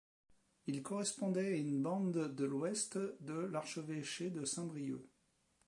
Il correspondait à une bande de l'ouest de l'évêché de Saint-Brieuc.